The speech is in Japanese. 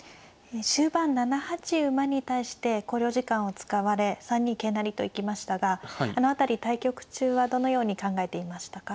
終盤７八馬に対して考慮時間を使われ３二桂成と行きましたがあの辺り対局中はどのように考えていましたか。